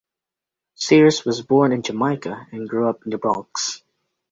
Sears was born in Jamaica and grew up in the Bronx.